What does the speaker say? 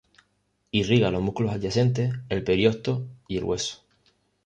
Irriga los músculos adyacentes, el periostio y el hueso.